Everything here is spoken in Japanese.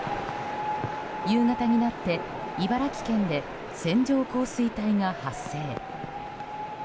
夕方になって茨城県で線状降水帯が発生。